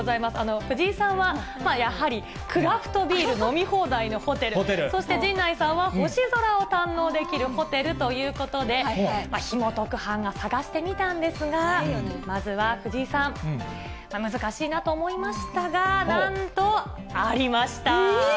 藤井さんは、やはりクラフトビール飲み放題のホテル、そして陣内さんは、星空を堪能できるホテルということで、ヒモトく班が探してみたんですが、まずは藤井さん、難しいなと思いましたが、なんと、ありました。